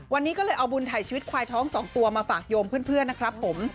วันนี้ก็เลยเอาบุญถ่ายชีวิตควายท้อง๒ตัวมาฝากโยมเพื่อนนะครับผม